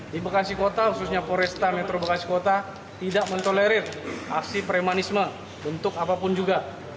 di bekasi kota khususnya poresta metro bekasi kota tidak mentolerir aksi premanisme bentuk apapun juga